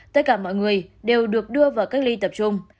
tất cả mọi người đều được đưa vào cách ly tập trung